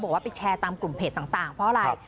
บอกว่าไปแชร์ตามกลุ่มเพจต่างเพราะอะไร